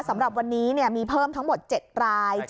สำหรับวันนี้มีเพิ่มทั้งหมด๗ราย